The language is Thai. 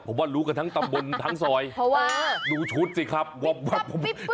ผมว่างดูกันทั้งต้ำมลใส้หนูชุดซิครับวบวบปุ๊บ